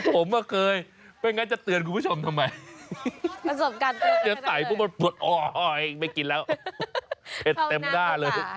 ผมก็เคยไม่งั้นจะเตือนครูประชมทำไมอีกไม่กินแล้วเผ็ดเต็มหน้า